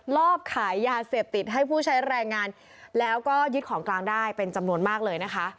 รอบขายยาเสพติดให้ผู้ใช้แรงงานแล้วก็ยึดของกลางได้เป็นจำนวนมากเลยนะคะ